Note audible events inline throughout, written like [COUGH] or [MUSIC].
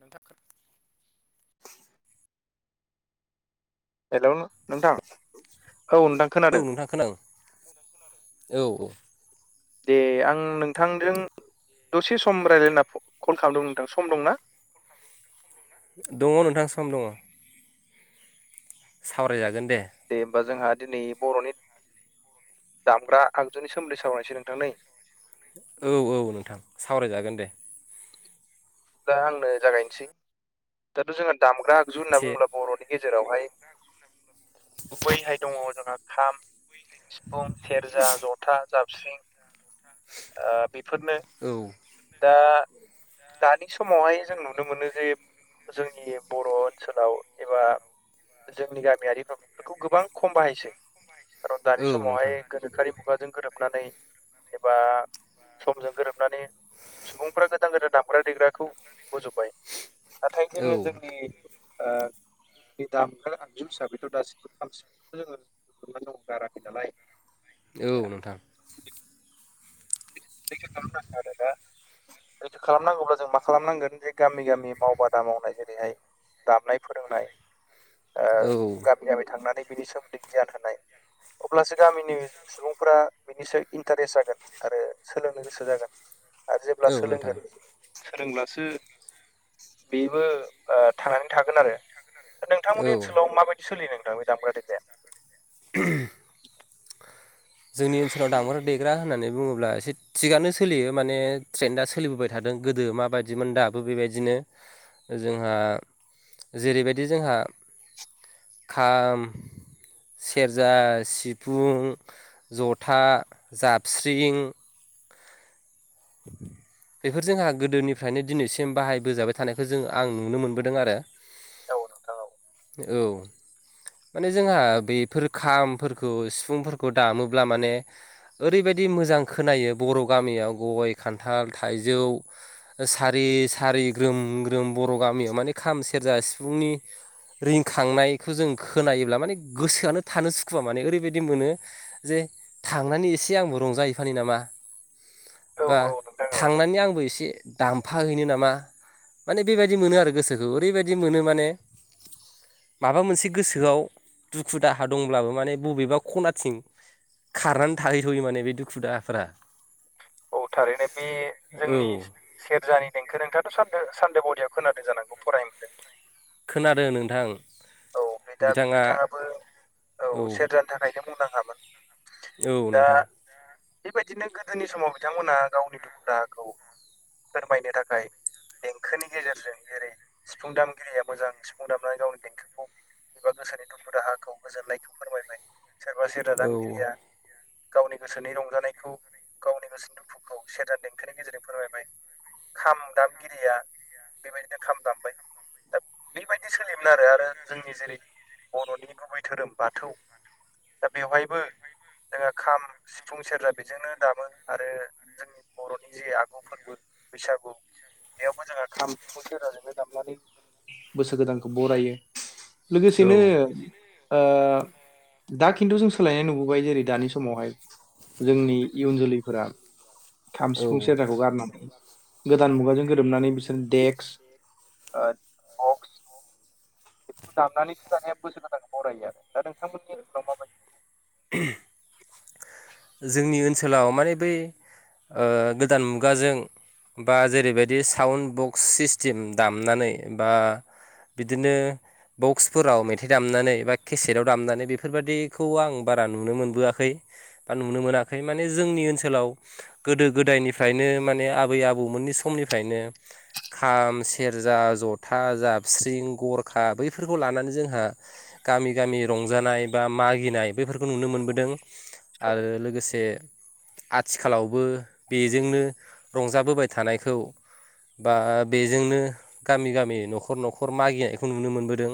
नोंथा [UNINTELLIGIBLE] हेल' नोंथां औ नोंथां। औ खोनादों नोंथां खोनादों औ-औ। दे आं नोंथांजों दसे सम रायलायना कल खालामदों नोंथां सम दंना? दङ नोंथां सम दङ। सावरायजागोन दे। दे होमबा जोंहा दिनै बर'नि दामग्रा आगजुनि सोमोन्दै सावरायनोसै नोंथां नै। औ औ नोंथां सावरायजागोन दे दा आंनो जागायनोसै दाथ' जोंहा दामग्रा आगजु होनना एसे बुंङोब्ला बर'नि गेजेरावहाय गुबैहाय दङ जोंहा खाम सिफुं सेरजा जथा जाबस्रिं ओ बेफोरनो औ दा दानि समावहाय जों नुनो मोनो जे जोंनि बर' ओनसोलाव एबा जोंनि गामियारिफ्रा बेफोरखौ गोबां खम बाहायसै खारन औ दानि नोंथां समावहाय गोनोखोयारि मु मुगाजों गोरोबनानै एबा समजों गोरोबनानै सुबुंफ्रा गोदान-गोदान दामग्रा फेग्राखौ बोजोबबाय नाथाय औ जोङो जोंनि ओ [INAUDIBLE] दामग्रा आगजु हिसाबैथ' दासिमबो खाम सिफुं [INAUDIBLE] जोङो बोजबनानै दं गाराखै नालाय दा औ नोंथां। [UNINTELLIGIBLE] खालामनांगौब्ला जों मा खालामनांगोन जे गामि गामि मावबादा मावनाय जेरैहाय दामनाय फोरोंनाय ओ औ गामि गामि थांनानै बिनि सोमोन्दै गियान होनाय अब्लासो गामिनि सुबुंफोरा बिनि सायाव इन्टारेस्ट जागोन आरो सोलोंनो गोसो जागोन आरो जेब्ला औ नोंथां सोलोंगोन सोलोंब्लासो बेबो ओ थांनानै थागोन आरो औ नोंथांमोननि ओनसोलाव माबायदि सोलियो नोंथां दामग्रा देग्राया [INAUDIBLE] जोंनि ओनसोलाव दामग्रा देग्रा होननानै बुङोब्ला एसे थिगानो सोलियो माने ट्रेनदा सोलिबोबाय थादों गोदो माबायदिमोन दाबो बेबायदिनो जोंहा जेरैबायदि जोंहा खाम सेरजा सिफुं जथा जाबस्रिं [INAUDIBLE] बेफोर जोंहा गोदोनिफ्रायनो दिनैसिम बाहायबोजाबाय थानायखौ जों आं नुनो मोनबोदों आरो औ नोंथां औ औ माने जोंहा बेफोर खामफोरखौ सिफुंफोरखौ दामोब्ला माने ओरैबायदि मोजां खोनायो बर' गामियाव गय खान्थाल थाइजौ सारि सारि ग्रोम बर' गामियाव माने खाम सेरजा सिफुंनि रिंखांनायखौ जों खोनायोब्ला माने गोसोआनो थानो सुखुवा माने ओरैबायदि मोनो जे थांनानै एसे आंबो रंजाहैफानो नामा औ बा औ नोंथां औ थांनानै आंबो इसे दामफाहैैनो नामा माने बेबायदि मोनो आरो गोसोखौ ओरैबायदि मोनो माने माबा मोनसे गोसोआव दुखु-दाहा दंब्लाबो माने बबेबा खनाथिं खारनानै थाहैथ'यो माने बे दुखु-दाहाफ्रा औ थारैनो बे जोंनि औ सेरजानि देंखो नोंथांआथ' सानदो सानदोबादियाव खोनादों जानांगौ फराय मोनदों खोनादों नोंथां औ बे दा बिथाङा बिथाङाबो औ औ सेरजानि थाखायनो मुंदांखामोन औ दा नोंथां बेबायदिनो गोदोनि समाव बिथांमोना गावनि दुखु दाहाखौ फोरमायनो थाखाय देंखोनि गेजेरजों जेरै सिफुं दामगिरिया मोजां सिफुं दामनानै गावनि देंखो एबा गोसोनि दुखु-दाहाखौ गोजोननायखौ फोरमायबाय सोरबा सेरजा औ दामगिरिया गावनि गोसोनि रंजानायखौ गावनि गोसो दुखुखौ सेरजानि देंखोनि गेजेरजों फोरमायबाय खाम दामगिरिया बेबायदिनो खाम दामबाय दा बेबायदि सोलियोमोन आरो आरो जोंनि जेरै बर'नि गुबै धोरोम बाथौ दा बेवहायबो जोङो खाम सिफुं सेरजा बेजोंनो दामो आरो जोंनि बर'नि जे आगु फोरबो बैसागु बेयावबो जोंहा खाम सिफुं सेरजा जोंनो दामनानै बोसोर गोदानखौ बरायो औ लोगोसेनो ओ दा खिन्थु जों सोलायनाय नुबोबाय जेरै दानि समावहाय जोंनि इयुन जोलैफोरा खाम औ सिफुं सेरजाखौ गारनानै गोदान मुगाजों गोरोबनानै बिसोर देक्स ओ बक्स दामनानैसो दानिया बोसोर गोदानखौ बरायो आरो दा नोंथांमोन [INAUDIBLE] जोंनि ओनसोलाव माने बै ओ गोदान मुगाजों बा जेरैबायदि साउन्ड बक्स सिस्टेम दामनानै बा बिदिनो बक्सफोराव मेथाइ दामनानै बा केसेटआव दामनानै बेफोरबादिखौ आं बारा नुनो मोनबोआखै बा नुनो मोनाखै माने जोंनि ओनसोलाव गोदो गोदायनिफ्रायनो माने आबै आबौमोननि समनिफ्रायनो खाम सेरजा जथा जाबस्रिं गरखा बैफोरखौ लानानै जोंहा गामि गामि रंजानाय बा मागिनाय बैफोरखौ नुनो मोनबोदों, औ आरो लोगोसे आथिखालावबो बेजोंनो रंजाबोबाय थानायखौ बा बेजोंनो गामि गामि न'खर न'खर मागिनायखौ नुनो मोनबोदों,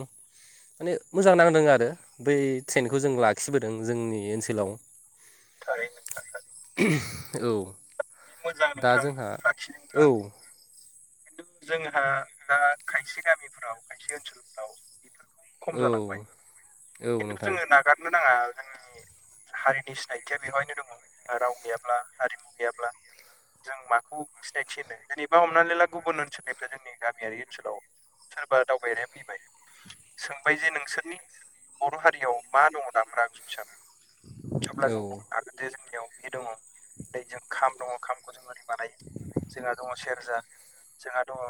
माने मोजां नांदों आरो बै ट्रेनखौ जों लाखिबोदों जोंनि ओनसोलाव, थारै नोंथां [UNINTELLIGIBLE] औ बे मोजां दा नोंथां जोंहा लाखिदोंब्ला औ खिन्थु जोंहा दा खायसे गामिफ्राव खायसे ओनसोलफ्राव बेफोर खम औ जालांबाय औ खिन्थु नोंथां जोङो नागारनो नाङा जोंनि हारिनि सिनायथिया बेवहायनो दङ जोंहा राव गैयाब्ला हारिमु गैयाब्ला, जों माखौ सिनायथि होनो जेनेबा हमनानै ला गुबुन ओनसोलनिफ्राय जोंनि गामियारि ओनसोलाव सोरबा दावबायारिया फैबाय सोंबाय जे नोंसोरनि बर' हारियाव मा दङ दामग्रा आगजु हिसाबै अब्ला औ जों जे जोंनियाव बे दङ [UNINTELLIGIBLE] खाम दङ खामखौ जों ओरै बानाय जोंहा दङ सेरजा, जोंहा दङ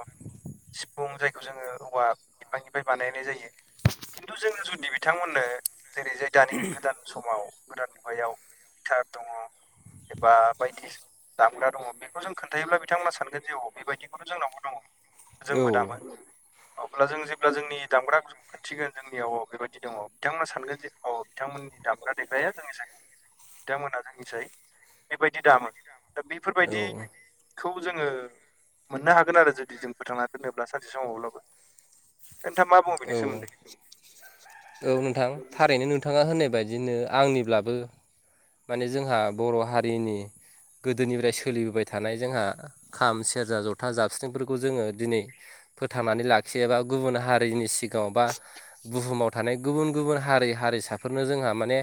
सिफुं जायखौ जोङो औवा बिफांनिफ्राय बानायनाय जायो। खिन्थु जोङो जुदि बिथांमोननो जेरै जाय दानि गोदान समाव, गोदान मुगायाव गिटार दङ, एबा बायदि दामग्रा दङ बेखौ जों खोन्थायोब्ला बिथांमोना सानगोन जे औ बेबायदि जोंनावबो दङ औ जोंबो दामोन अब्ला जों जेब्ला जोंनि दामग्रा आग खोनथिगोन जोंनियाव बेबायदि दङ बिथांमोना सानगोन जे औ बिथांमोननि दामग्रा देग्राया जोंनि [UNINTELLIGIBLE] बिथांमोनहा जोंनिसाय बेबायदि दामो दा औ बेफोरबायदिखौ जोङो, मोननो हागोन आरो जुदि जों फोथांना दोनोब्ला सानसे समावब्लाबो नोंथाङ मा बुङो बेनि औ सोमोन्दै? औ नोंथां थारैनो नोंथाङा होननाय बायदिनो आंनिब्लाबो माने जोंहा बर' हारिनि गोदोनिफ्राय सोलिबोबाय थानाय जोंहा खाम सेरजा जथा जाबस्रिंफोरखौ जोङो दिनै, फोथांनानै लाखियोबा गुबुन हारिनि सिगाङाव बा बुहुमाव थानाय गुबुन गुबुन हारि हारिसाफोरनो जोंहा माने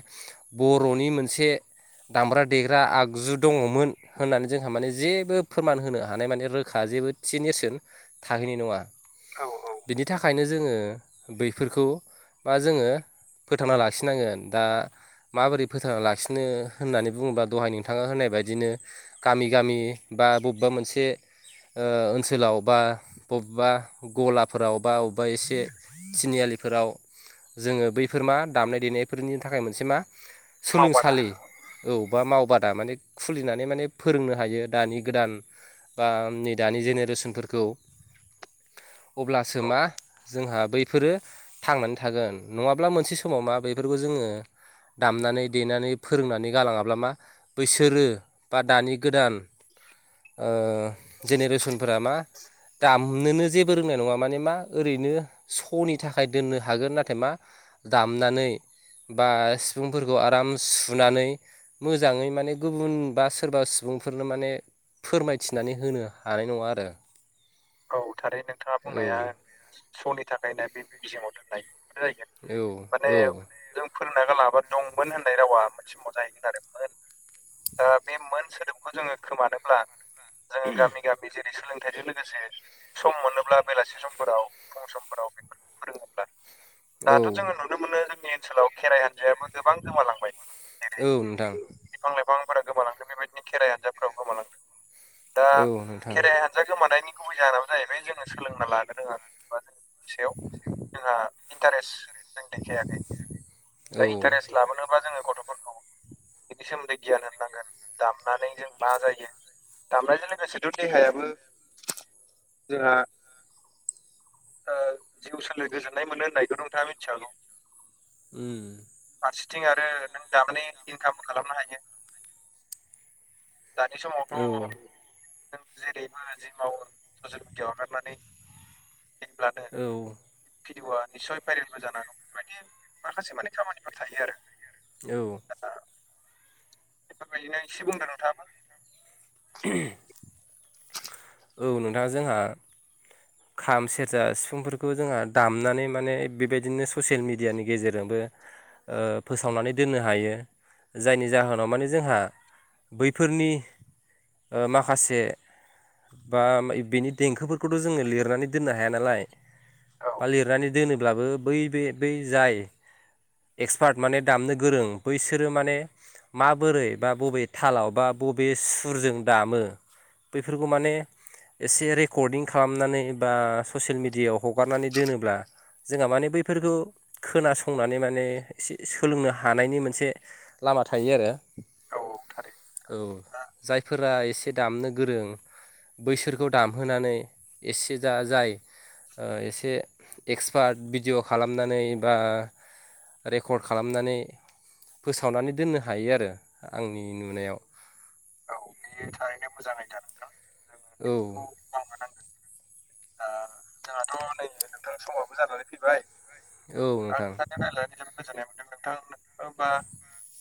बर'नि मोनसे मोनसे दामग्रा देग्रा आगजु दङमोन। होननानै जोंहा माने जेबो फोरमान होनो हानाय माने रोखा जेबो थि नेरसोन थाहैनाय नङा। औ औ। बिनि थाखायनो जोङो बैफोरखौ बा जोङो फोथांना लाखिनांगोन दा माबोरै फोथांना लाखि बांसिनो होननानै बुङोबा दहाय नोंथाङा होननाय बायदिनो गामि गामि बा बबेबा मोनसे ओ ओनसोलाव बा बबेबा गलाफोराव बा अबबा एसे थिनियालिफोराव जोङो बैफोर मा दामनाय देनायफोरनि थाखाय मोनसे मा सोलों सो मावबादा खालि औ बा मावबादा माने खुलिनानै माने फोरोंनो हायो दानि गोदान, बा नै दानि जेनेरेसनफोरखौ, अब्लासो औ मा जोंहा बैफोरो थांनानै थागोन नङाब्ला मोनसे समाव मा बेफोरखौ जोङो दामनानै देनानै, फोरोंनानै गालाङाब्ला मा बैसोरो बा दानि गोदान ओ जेनेरेसनफोरा मा दामनोनो जे फोरोंनाय नङा माने मा ओरैनो स'नि थाखाय दोननो हागोन नाथाय मा, दामनानै बा सिफुंफोरखौ आराम, सुनानै मोजाङै माने गुबुन बा सोरबा सुबुंफोरनो माने फोरमायथिनानै होनो हानाय नङा आरो। औ थारै नोंथाङा बुंनाया स'नि थाखायनो बे मिउजियामाव दोननाय। औ माने, औ औ जों फोरोंना गालाबा दंमोन होननाय रावा मोनसे समाव जाहैगोन आरो। ओ बे मोन सोदोबखौ जोङो खोमानोब्ला जोङो गामि गामि जेरै सोलोंथाइजों लोगोसे, सम मोनोब्ला बेलासि समफोराव फुं समफोराव बेफोरखौ फोरोङोब्ला औ दाथ' जोङो न औ नुनो मोनो जोंनि ओनसोलाव खेराइ हान्जायाबो गोबां गोमालांबाय जेरै नोंथां बिफां लाइफांफोरा गोमालांदों बेबायदिनो खेराइ हान्जाफोराव गोमालांदों दा औ नोंथां खेराइहान्जा दा गोमानायनि गुबै जाहोनानो जाहैबाय जोङो सोलोंना लानो रोङााखै बा जोंनि सायाव जोंहा इन्टारेस्ट जों देखायाखै औ दा उम इन्टारेस्ट लाबोनोबा जोङो गथ'फोरखौ बिनि सोमोन्दै गियान होननांगोन दामनानै जों मा जायो? दामनायजों लोगोसेथ' देहायाबो जोंहा, ओ जिउ सोलेर गोजोन्नाय मोनो होननायखौ नोंथाङा मिथिखागौ। ओम। फारसेथिं आरो नों दाबाने इनकामखौ खालामनो हायो। दानि समावथ' औ नों जेरैबो जिमावो ससियेल मिडियायाव हगारनानै जेब्लानो औ,। भिडिअ'आ निस्सय भाइरेलबो जानो हांगौ बेफोरबायदि माखासे माने खामानिफोर थायो आरो। औ। दा बेफोरबायदिनो एसे बुंदो नोंथांआबो। ग [INAUDIBLE] औ नोंथाङा जोंहा खाम सेरजा सिफुंफोरखौ जोंहा दामनानै माने बेबायदि बिदिनो ससियेल मिडियानि गेजेरजोंबो, ओ फोसावनानै दोननो हायो। जायनि जाहोनाव माने जोंहा, बैफोरनि ओ माखासे, बा बेनि देंखोफोरखौथ' जोङो लिरनानै दोननो हाया नालाय औ बा लिरनानै दोनोब्लाबो बै बे बै जाय, एक्सपार्ट माने दामनो गोरों बैसोरो माने, माबोरै बा बबे थालाव बा बबे सुरजों दामो, बैफोरखौ माने एसे रेकर्डिं खालामनानै, बा ससियेल मिडियाायाव हगारनानै दोनोब्ला, जोंहा माने बैफोरखौ खोनासंनानै माने एसे सोलोंनो हानायनि मोनसे, लामा थायो आरो, औ औ थारैनो औ दा जायफोरा एसे दामनो गोरों, बैसोरखौ दामहोनानै एसे जा जाय ओ एसे, एक्सपार्ट भिडिअ' खालामनानै बा रेकर्ड खालामनानै, फोसावनानै दोननो हायो आरो आंनि नुनायाव,। औ बियो थारैनो मोजां आइडिया नोंथां जोङो औ। बेखौ मावनो नांगोन आ जोंहाथ' नै नोंथां समाबो जानानै फैबाय। औ आाय नोंथां [INAUDIBLE] गोजोननाय मोनदों नोंथां ओ बा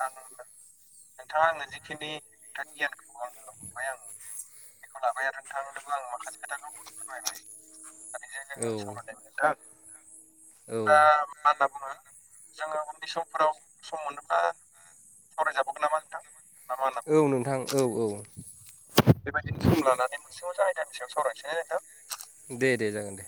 आंनो नोंथाङा आनो जिखिनि थानयाानो बायान [INAUDIBLE] बेखौ लाबाय आरो नोंथांनोबो आं माखासे खोथाखौ फोरमायबाय। सानैजों औ जोङो सावराय लायबाय नोंथां औ बिदिब्ला मा होनना बुङो जोङो उननि समफोराव सम मोनोब्ला सावरायजाबावगोन नामा नोंथां ना मा होनो? औ नोंथां औ औ बेबायदिनो सम लानानै मोनसे मोनसे आयदानि सायाव सावरायसै ना नोंथां। दे -दे जागोन दे।